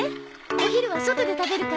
お昼は外で食べるから。